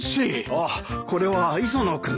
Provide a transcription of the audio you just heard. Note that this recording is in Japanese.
あっこれは磯野君の。